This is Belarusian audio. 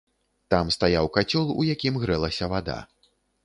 Там стаяў кацёл, у якім грэлася вада.